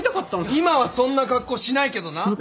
今はそんな格好しないけどな。